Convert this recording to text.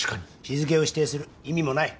日付を指定する意味もない。